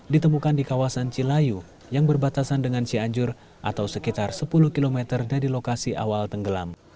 ditemukan di kawasan cilayu yang berbatasan dengan cianjur atau sekitar sepuluh km dari lokasi awal tenggelam